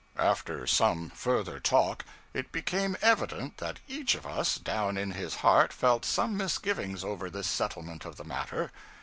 After some further talk, it became evident that each of us, down in his heart, felt some misgivings over this settlement of the matter.